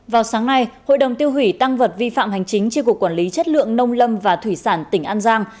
vào sáng nay hội đồng tiêu hủy tăng vật vi phạm hành chính tri cục quản lý chất lượng nông lâm và thủy sản tỉnh an giang